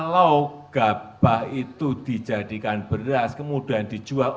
kalau gabah itu dijadikan beras kemudian dijual